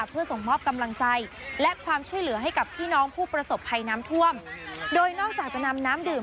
เพื่อส่งมอบกำลังใจและความช่วยเหลือให้กับพี่น้องผู้ประสบภัยน้ำท่วมโดยนอกจากจะนำน้ำดื่ม